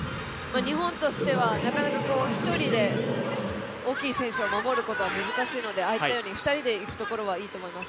日本としてはなかなか１人で大きい選手を守ることは難しいのでああいったように２人でいくところはいいと思います。